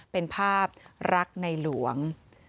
เป็นภาพรักในหลวง